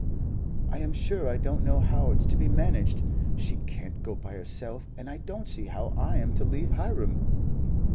"I am sure I don't know how it's to be managed. She can't go by herself, and I don't see how I am to leave Hiram."